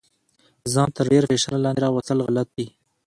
ځان تر ډیر فشار لاندې راوستل غلط دي.